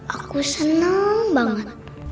aku seneng banget